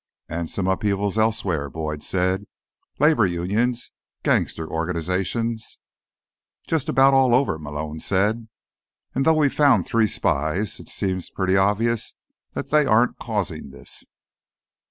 "And some upheavals elsewhere," Boyd said. "Labor unions, gangster organizations." "Just about all over," Malone said. "And though we've found three spies, it seems pretty obvious that they aren't causing this."